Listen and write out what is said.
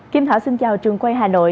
kim thảo xin chào trường quay hà nội